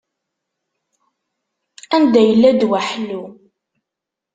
Anda yella ddwa ḥellu?